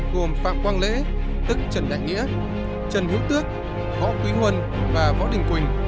gồm phạm quang lễ tức trần đại nghĩa trần hữu tước võ quý huân và võ đình quỳnh